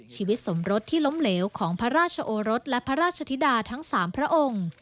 สมรสที่ล้มเหลวของพระราชโอรสและพระราชธิดาทั้ง๓พระองค์